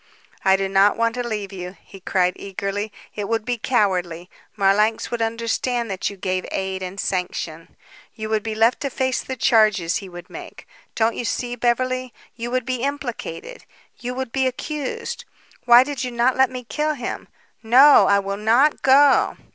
"I do not want to leave you," he cried eagerly. "It would be cowardly. Marlanx would understand that you gave aid and sanction. You would be left to face the charges he would make. Don't you see, Beverly? You would be implicated you would be accused. Why did you not let me kill him? No; I will not go!"